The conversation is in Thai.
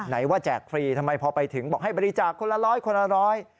ไหนว่าแจกฟรีทำไมพอไปถึงบอกให้บริจาคคนละร้อยคนละร้อย